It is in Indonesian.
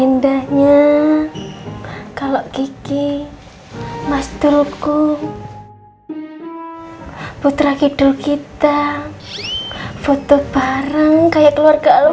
indahnya kalau kiki mas dulku putra kidul kita foto bareng kayak keluarga alfari